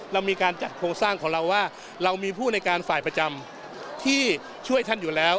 เรามีการจัดโครงสร้างของเราว่าเรามีผู้ในการฝ่ายประจำที่ช่วยท่านอยู่แล้ว